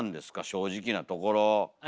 正直なところ。